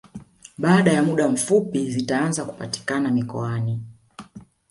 Baada ya muda mfupi zitaanza kupatikana mikoani